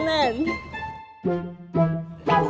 nanti jangan lupa